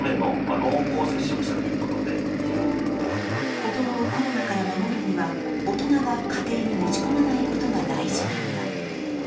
子供をコロナから守るには大人が家庭に持ち込まないことが大事なのだ。